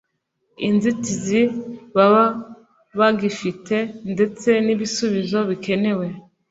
inzitizi baba bagifite ndetse n’ibisubizo bikenewe